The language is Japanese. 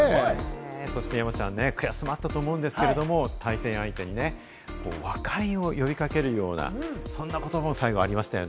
そして山ちゃん、悔しさもあったと思うんですけれど、対戦相手にね、和解を呼びかけるような、そんな言葉も最後にありましたね。